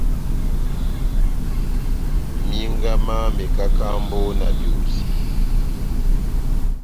Minga má mekakambo na biosi.